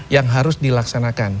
yang harus dilaksanakan